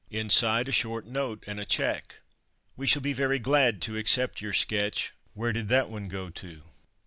Inside, a short note and a cheque. "We shall be very glad to accept your sketch, 'Where did that one go to?'